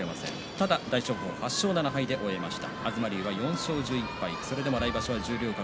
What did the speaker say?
ただ大翔鵬は８勝７敗で終えました。